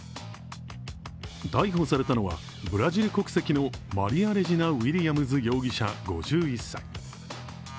逮捕されたのはブラジル国籍のマリア・レジナ・ウィリアムズ容疑者５１歳。